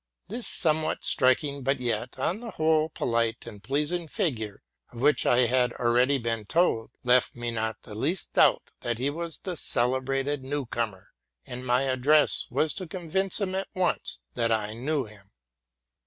This somewhat striking, but yet, on the whole, polite and pleasing, figure, of which I hadalre ady been told, left me not the least doubt that he was the celebrated new comer; and my address was to convince him at once that I knew him.